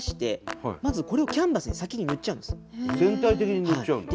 全体的に塗っちゃうんだ。